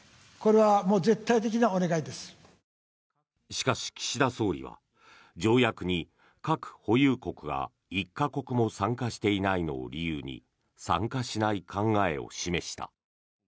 しかし、岸田総理は条約に核保有国が１か国も参加していないのを理由に参加しない考えを示した。